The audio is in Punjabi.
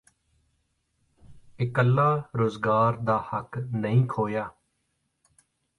ਇਕੱਲਾ ਰੁਜ਼ਗਾਰ ਦਾ ਹੱਕ ਨਹੀਂ ਖੋਹਿਆ